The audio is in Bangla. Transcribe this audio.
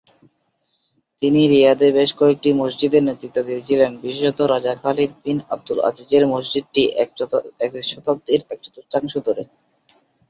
তিনি রিয়াদে বেশ কয়েকটি মসজিদের নেতৃত্ব দিয়েছিলেন, বিশেষত রাজা খালিদ বিন আবদুল আজিজের মসজিদটি এক শতাব্দীর এক চতুর্থাংশ ধরে।